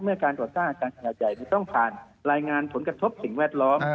เมื่อการต่อสร้างอากาศใหญ่มันต้องผ่านรายงานผลกระทบสิ่งแวดล้อม